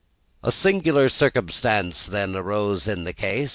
A singular circumstance then arose in the case.